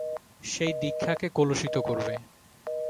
সেই দীক্ষাকে কলুষিত করবে।